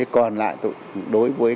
còn lại đối với